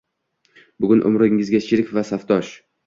Bugun umrimizga sherik va safdosh